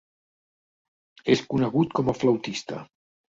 És conegut com a flautista.